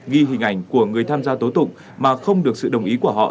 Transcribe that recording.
ghi hình ảnh của người tham gia tố tụng mà không được sự đồng ý của họ